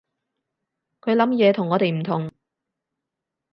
佢諗嘢同我哋唔同